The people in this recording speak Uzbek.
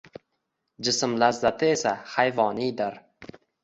Jism lazzati esa hayvoniydir